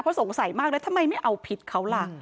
เพราะสงสัยมากแล้วทำไมไม่เอาผิดเขาล่ะ